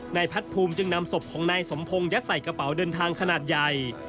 นายพัดภูมิจึงนำศพของนายสมพงศ์ยัดใส่กระเป๋าเดินทางขนาดใหญ่